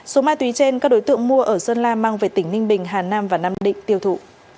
số ma túy trên các đối tượng mua ở sơn la mang về tỉnh ninh bình hà nam và nam định tiêu thụ